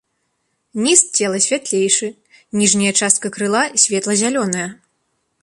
Ніз цела святлейшы, ніжняя частка крыла светла-зялёная.